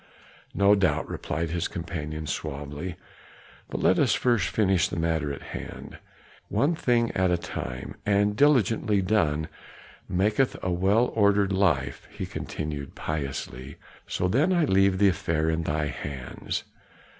"No doubt," replied his companion suavely; "but let us first finish the matter in hand. One thing at a time, and diligently done, maketh a well ordered life," he continued piously. "So then I leave the affair in thy hands."